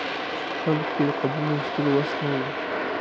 خلکو کې د قبرونو ویستلو وس نه و.